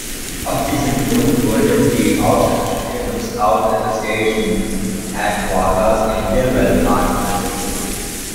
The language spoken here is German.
Aus diesem Grund wurden die Ausstellungsstücke zum Scout Association Headquarters in Gilwell Park übersiedelt.